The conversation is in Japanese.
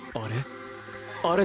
あれ？